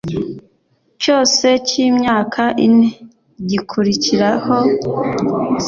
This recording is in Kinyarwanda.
Cyose cy imyaka ine gikurikiraho